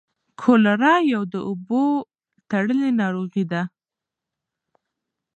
کولرا یوه د اوبو تړلۍ ناروغي ده.